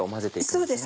そうです。